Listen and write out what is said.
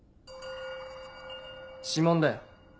指紋だよ。